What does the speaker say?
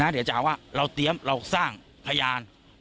เดี๋ยวจะเอาว่าเราเตรียมเราสร้างพยาน